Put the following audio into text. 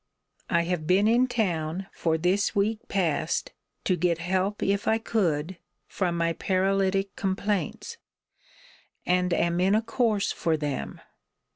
I have been in town for this week past, to get help if I could, from my paralytic complaints; and am in a course for them.